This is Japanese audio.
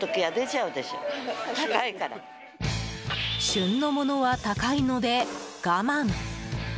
旬のものは高いので我慢。